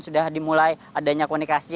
sudah dimulai adanya komunikasi